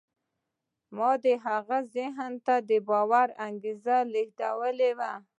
ما د هغه ذهن ته د باور انګېزه لېږدولې وه